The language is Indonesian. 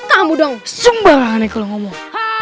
kamu dong sumber aneh kalau ngomong